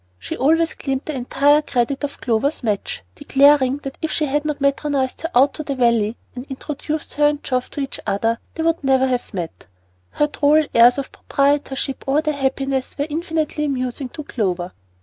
She always claimed the entire credit of Clover's match, declaring that if she had not matronized her out to the Valley and introduced her and Geoff to each other, they would never have met. Her droll airs of proprietorship over their happiness were infinitely amusing to Clover.